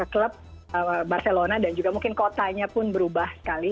klub barcelona dan juga mungkin kotanya pun berubah sekali